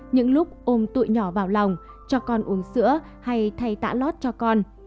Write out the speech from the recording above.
những lúc ôm tụi nhỏ vào lòng cho con uống sữa hay thay tã lót cho con